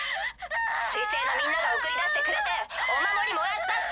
水星のみんなが送り出してくれてお守りもらったって。